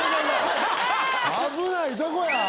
危ないとこや。